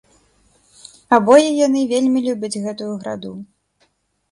Абое яны вельмі любяць гэтую граду.